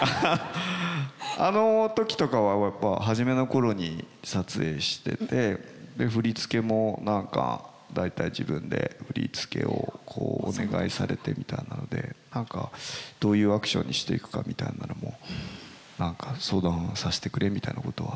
あの時とかは初めの頃に撮影しててで振り付けも何か大体自分で振り付けをお願いされてみたいなので何かどういうアクションにしていくかみたいなのも相談させてくれみたいなことは。